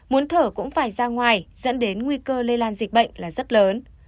muốn thở cũng phải ra ngoài dẫn đến nguy cơ lây lan dịch bệnh là rất lớn